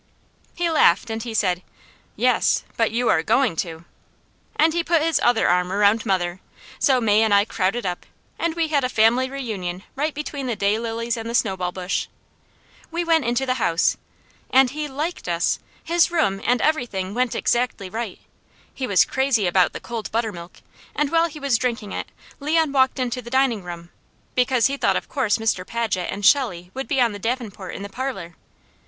He laughed, and he said: "Yes, but you'ah going to!" And he put his other arm around mother, so May and I crowded up, and we had a family reunion right between the day lilies and the snowball bush. We went into the house, and he LIKED us, his room, and everything went exactly right. He was crazy about the cold buttermilk, and while he was drinking it Leon walked into the dining room, because he thought of course Mr. Paget and Shelley would be on the davenport in the parlour.